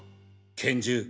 拳銃。